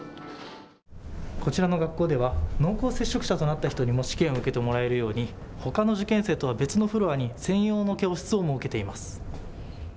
こちらの学校では濃厚接触者となった人にも試験を受けてもらえるようにほかの受験生とは別のフロアに専用の教室を設けています。